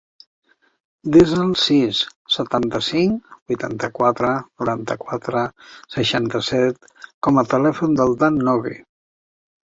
Desa el sis, setanta-cinc, vuitanta-quatre, noranta-quatre, seixanta-set com a telèfon del Dan Nogue.